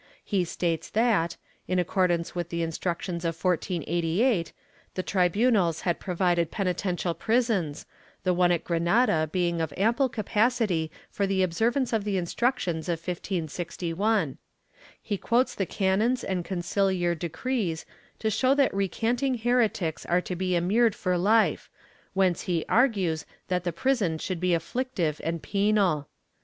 He states that, in accordance with the Instructions of 1488, the tribunals had provided penitential prisons, the one at Granada being of ample capacity for the observance of the Instructions of 1561. He quotes the canons and conciliar decrees to show that recanting heretics are to be immured for hfe, whence he argues that the prison should be afflictive and penal.